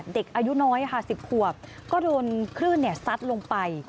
เด็กอายุน้อยค่ะ๑๐ขวบก็โดนคลื่นซัดลงไป